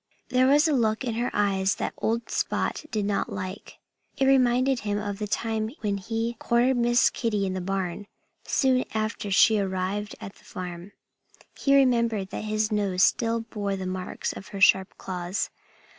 There was a look in her eyes that old Spot did not like. It reminded him of the time when he cornered Miss Kitty in the barn, soon after she arrived at the farm. He remembered that his nose still bore the marks of her sharp claws.